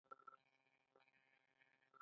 په ځینو ځایونو کې ځوان محققین ګمراه کوي.